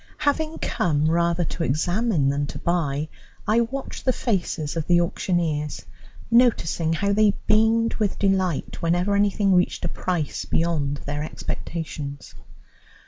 Having come rather to examine than to buy, I watched the faces of the auctioneers, noticing how they beamed with delight whenever anything reached a price beyond their expectations.